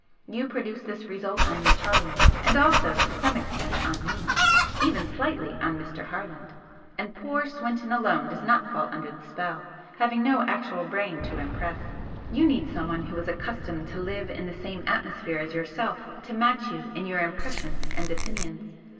You produce this result on Miss Harland, and also to some extent on me even slightly on Mr. Harland, and poor Swinton alone does not fall under the spell, having no actual brain to impress. You need someone who is accustomed to live in the same atmosphere as yourself to match you in your impressions and opinions.